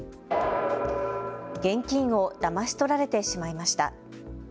現金をだまし取られてしまいました。